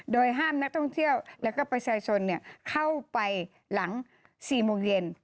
โดยห้ามนักท่องเที่ยวและก็ประชาชนเข้าไปหลัง๔โมงเย็น